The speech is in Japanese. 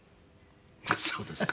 そうですか。